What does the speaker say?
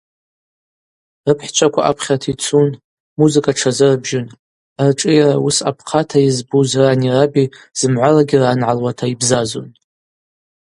Рыпхӏчваква апхьарта йцун, музыка тшазырбжьун, аршӏыйара уыс апхъата йызбуз рани раби зымгӏвалагьи йрангӏалуата йбзазун.